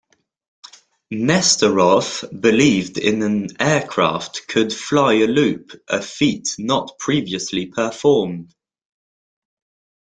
Nesterov believed an aircraft could fly a loop, a feat not previously performed.